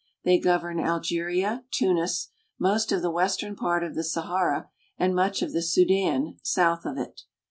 They govern Algeria, Tunis, most of the western part of the Sahara, and much of the Sudan (soo dan') south of it.